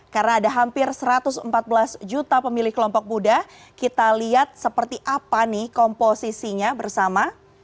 karena ada hampir satu ratus empat belas juta pemilih kelompok muda kita lihat seperti apa nih komposisinya bersama